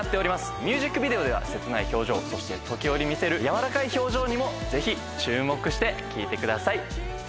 ミュージックビデオでは切ない表情そして時折見せる柔らかい表情にもぜひ注目して聴いてください。